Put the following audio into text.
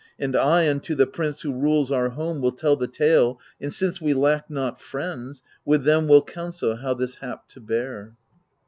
And I unto the prince who rules our home Will tell the tale, and, since we lack not friends, With them will counsel how this hap to bear.